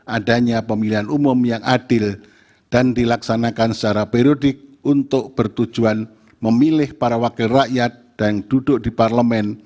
adanya pemilihan umum yang adil dan dilaksanakan secara periodik untuk bertujuan memilih para wakil rakyat dan duduk di parlemen